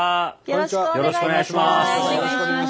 よろしくお願いします。